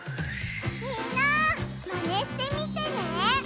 みんなマネしてみてね！